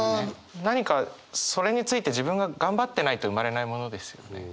何かそれについて自分が頑張ってないと生まれないものですよね。